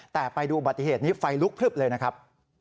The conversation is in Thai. แต่ไปดูอุบัติเหตุนี้ไฟลุกพลึบเลยนะครับ